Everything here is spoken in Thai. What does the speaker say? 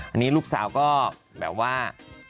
อันนี้ลูกสาวก็แบบว่า